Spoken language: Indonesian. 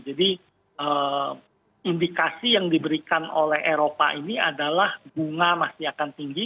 jadi indikasi yang diberikan oleh eropa ini adalah bunga masih akan tinggi